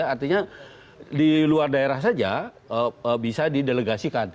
artinya di luar daerah saja bisa di delegasikan